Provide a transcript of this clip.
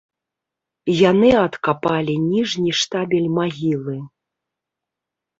Яны адкапалі ніжні штабель магілы.